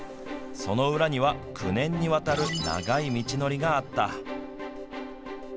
その裏には９年にわたる長い道のりがあった。